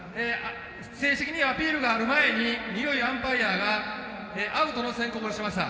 正式にアピールがある前に二塁アンパイアがアウトの宣告をしました。